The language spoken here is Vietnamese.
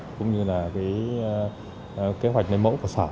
cũng như là kế hoạch lấy mẫu của sở